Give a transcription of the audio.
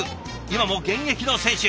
今も現役の選手。